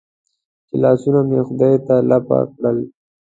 چې لاسونه مې خدای ته لپه کړل.